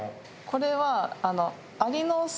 これは。